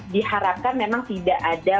diharapkan memang tidak ada